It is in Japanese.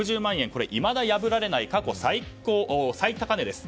これは、いまだ破られない過去最高値です。